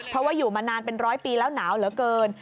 เพราะว่าอยู่มานานเป็นร้อยปีแล้วหนาวเหลือเกิน